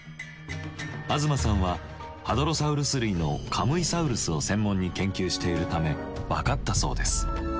東さんはハドロサウルス類のカムイサウルスを専門に研究しているため分かったそうです。